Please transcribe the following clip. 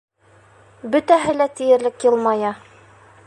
—Бөтәһе лә тиерлек йылмая.